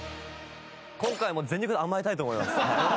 今回も全力で甘えたいと思います。